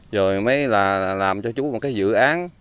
rồi mới làm cho chú một cái dự án